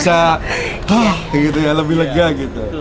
jadi kita bisa lebih lega gitu